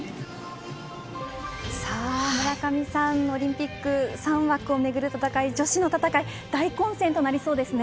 村上さんオリンピック３枠をめぐる戦い女子の戦いは大混戦となりそうですね。